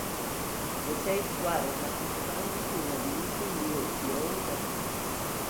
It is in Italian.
Le sei squadre partecipanti furono divise in due gironi da tre.